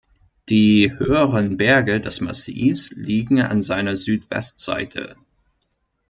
Die höheren Berge des Massivs liegen an seiner Südwestseite.